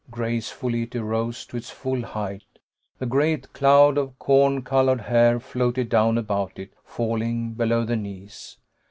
Gracefully it arose to its full height. The great cloud of corn colored hair floated down about it, falling below the knees.